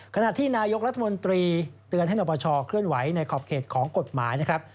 ขณะที่นายกรัฐมนตรีเตือนให้นปชเคลื่อนไหวในขอบเขตของกฎหมายนะครับ